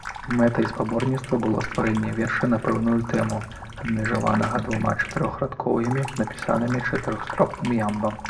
Мэтай спаборніцтва было стварэнне верша на пэўную тэму, абмежаванага двума чатырохрадкоўямі, напісанымі чатырохстопным ямбам.